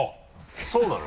そうなの？